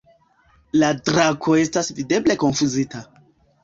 La drako estas videble konfuzita.